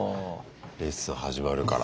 レッスン始まるから。